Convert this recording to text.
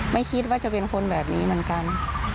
ไม่คิดว่าจะเป็นคนแบบนี้เหมือนกัน